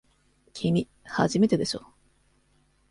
きみ、初めてでしょ。